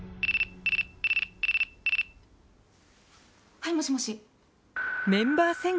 はいもしもし。